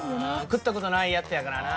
食った事のないやつやからな。